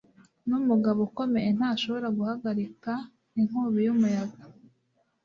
N'umugabo ukomeye ntashobora guhagarika inkubi y'umuyaga.